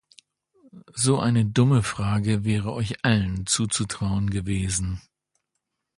So eine dumme Frage wäre euch allen zuzutrauen gewesen.